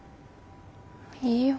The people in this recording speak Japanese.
いいよ